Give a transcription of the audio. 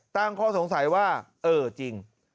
ตั้งข้อสงสัยว่าเออจริง